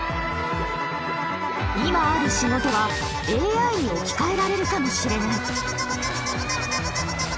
［今ある仕事はＡＩに置き換えられるかもしれない］